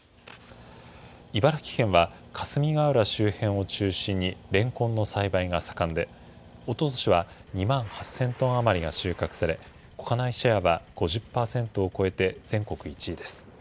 茨城県は、霞ヶ浦周辺を中心にレンコンの栽培が盛んで、おととしは２万８０００トン余りが収穫され、国内シェアは５０％を超えて全国１位です。